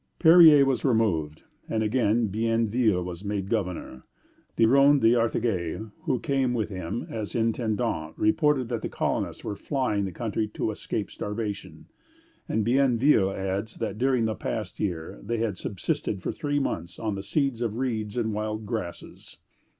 Perier was removed, and again Bienville was made governor. Diron d'Artaguette, who came with him as intendant, reported that the colonists were flying the country to escape starvation, and Bienville adds that during the past year they had subsisted for three months on the seed of reeds and wild grasses.